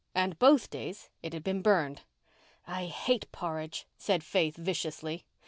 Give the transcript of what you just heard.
And both days it had been burned. "I hate porridge," said Faith viciously.